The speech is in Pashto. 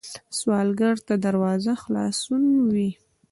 سوالګر ته دروازه خلاصون وي